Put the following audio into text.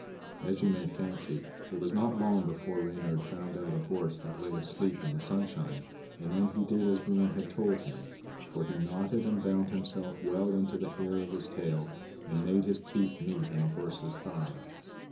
As you may fancy, it was not long before Reynard found out a horse that lay asleep in the sunshine, and then he did as Bruin had told him; for he knotted and bound himself well into the hair of his tail, and made his teeth meet in the horse's thigh.